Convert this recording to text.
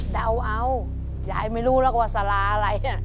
เดาเอายายไม่รู้แล้วว่าสาราอะไร